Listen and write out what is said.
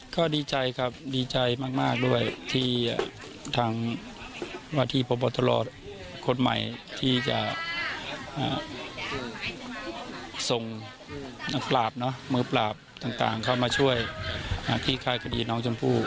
ก็ดีใจครับดีใจมากด้วยที่ทางวัฒนีประวัติศาสตร์คนใหม่ที่จะส่งมือปราบต่างเข้ามาช่วยที่ค่ายคดีน้องจนภูกษ์